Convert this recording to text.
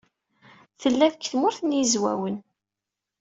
Tella deg Tmurt n Yizwawen.